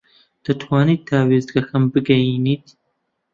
دەتوانیت تا وێستگەکەم بگەیەنیت؟